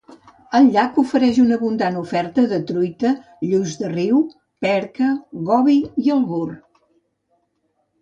El llac ofereix una abundant oferta de truita, lluç de riu, perca, gobi i albur.